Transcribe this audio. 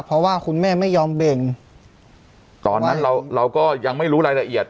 เพราะว่าคุณแม่ไม่ยอมแบ่งตอนนั้นเราเราก็ยังไม่รู้รายละเอียด